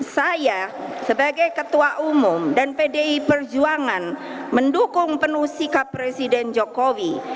saya sebagai ketua umum dan pdi perjuangan mendukung penuh sikap presiden jokowi